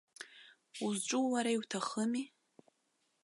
Узҿу уара иуҭахыми?